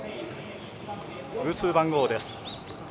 偶数番号です。